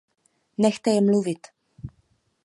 Nechte je mluvit.